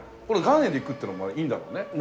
これ岩塩でいくっていうのがいいんだろうね。